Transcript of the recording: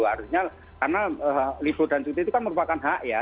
harusnya karena libur dan cuti itu kan merupakan hak ya